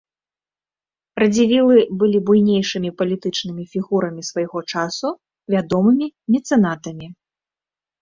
Радзівілы былі буйнейшымі палітычнымі фігурамі свайго часу, вядомымі мецэнатамі.